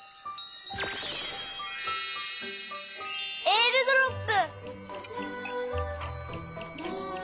えーるドロップ！